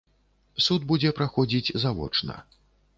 Суд будзе праходзіць завочна.